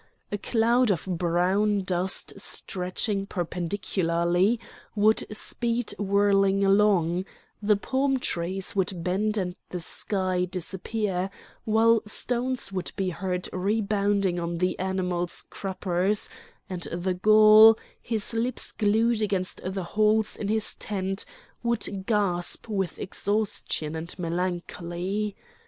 A cloud of brown dust stretching perpendicularly would speed whirling along; the palm trees would bend and the sky disappear, while stones would be heard rebounding on the animals' cruppers; and the Gaul, his lips glued against the holes in his tent, would gasp with exhaustion and melancholy.